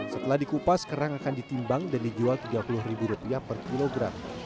setelah dikupas kerang akan ditimbang dan dijual tiga puluh ribu rupiah per kilogram